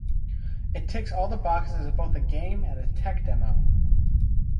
It ticks all the boxes as both a game and a tech demo.